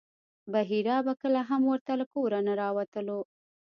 بحیرا به کله هم ورته له کوره نه راوتلو.